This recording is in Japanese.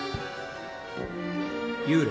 幽霊？